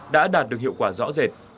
đã đạt được hiệu quả rõ rệt